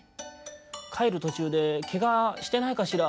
「かえるとちゅうでけがしてないかしら」。